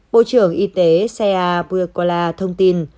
bộ trưởng y tế seah puyakola thông tin